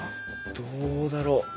どうだろ？